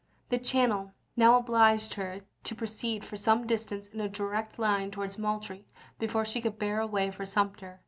The channel now obliged her to proceed for some distance in a direct line towards Moultrie before she could bear away for Sumter.